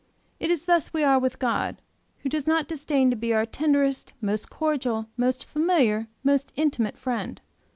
It is thus we are with God, who does not disdain to be our tenderest, most cordial, most familiar, most intimate friend.